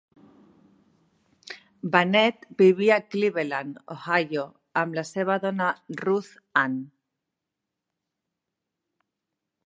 Bennett vivia a Cleveland, Ohio, amb la seva dona Ruth Ann.